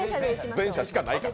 前者しかないから。